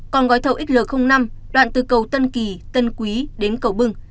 còn gói thầu xl năm đoạn từ cầu tân kỳ tân quý đến cầu bưng